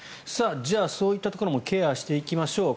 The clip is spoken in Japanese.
そういったところもケアしていきましょう。